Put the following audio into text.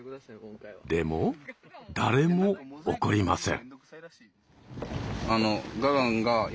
でも誰も怒りません。